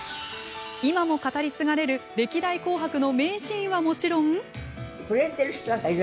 今も語り継がれる歴代「紅白」の名シーンはもちろん。